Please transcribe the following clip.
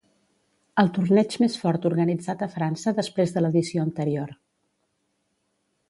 El torneig més fort organitzat a França després de l'edició anterior.